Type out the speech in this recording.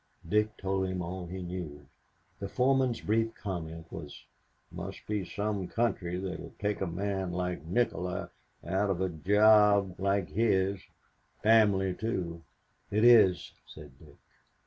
Dick told him all he knew. The foreman's brief comment was, "Must be some country that will take a man like Nikola out of a job like his family too." "It is," said Dick.